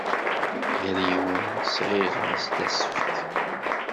Yal yiwen sɣiɣ-as-d asefk.